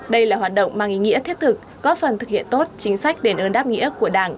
đây là hoạt động mang ý nghĩa thiết thực góp phần thực hiện tốt chính sách đền ơn đáp nghĩa của đảng